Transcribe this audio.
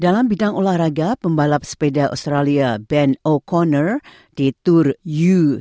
dalam bidang olahraga pembalap sepeda australia ben o connor di tour u